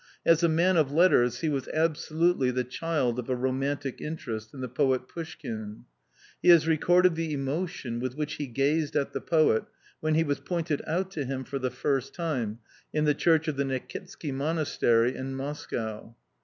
As a man of letters, he was absolutely the child of a romantic interest in the poet Pouschkine. He has recorded the emotion with which he gazed at the poet when he was pointed out to him for the first time in the church of the Nikitsky monastery in Moscow.